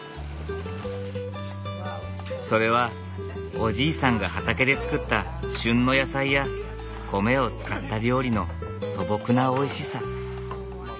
それはおじいさんが畑で作った旬の野菜や米を使った料理の素朴なおいしさ。